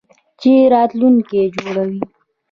چې راتلونکی جوړوي.